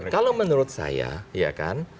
kalau menurut saya